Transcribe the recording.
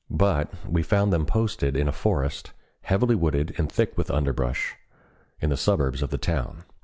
But we found them posted in a forest, heavily wooded and thick with underbrush, in the suburbs of the town.